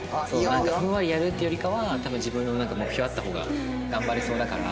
ふんわりやるっていうよりかは多分自分の目標あった方が頑張れそうだから。